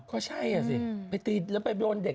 ก็ใช่อ่ะสิไปตีแล้วไปโดนเด็ก